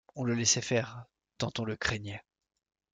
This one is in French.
On le laissait faire, tant on le craignait.